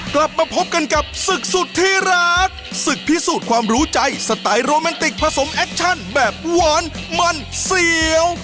กลับมาพบกันกับศึกสุดที่รักศึกพิสูจน์ความรู้ใจสไตล์โรแมนติกผสมแอคชั่นแบบหวานมันเสียว